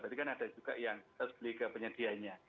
berarti kan ada juga yang harus beli ke penyedianya